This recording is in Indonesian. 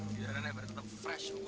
biarannya tetap fresh ya